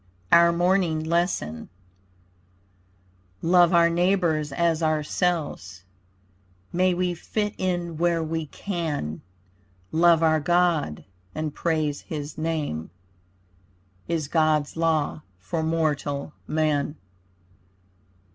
OUR MORNING LESSON Love our neighbors as ourselves, May we fit in where we can, Love our God and praise his name Is God's law for mortal man.